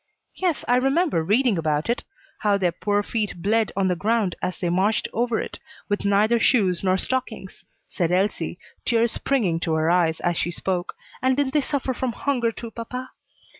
"Yes, I remember reading about it how their poor feet bled on the ground as they marched over it, with neither shoes nor stockings," said Elsie, tears springing to her eyes as she spoke. "And didn't they suffer from hunger too, papa?"